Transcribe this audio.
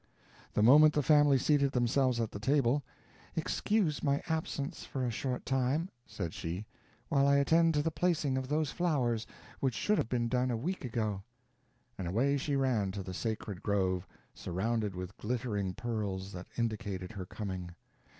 The moment the family seated themselves at the table "Excuse my absence for a short time," said she, "while I attend to the placing of those flowers, which should have been done a week ago." And away she ran to the sacred grove, surrounded with glittering pearls, that indicated her coming.